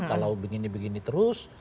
kalau begini begini terus